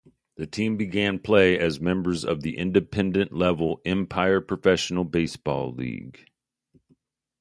The team began play as members of the Independent level Empire Professional Baseball League.